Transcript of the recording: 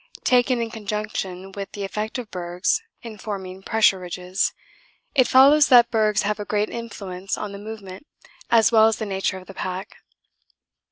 Taken in conjunction with the effect of bergs in forming pressure ridges, it follows that bergs have a great influence on the movement as well as the nature of pack.